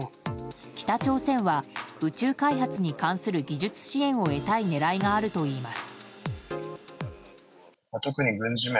北朝鮮は宇宙開発に関する技術支援を得たい狙いがあるといいます。